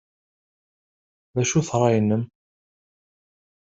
D acu-t ṛṛay-nnem?